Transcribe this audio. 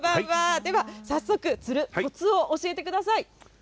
では、早速釣るこつを教えてください。